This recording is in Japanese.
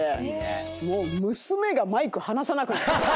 娘がマイク離さなくって。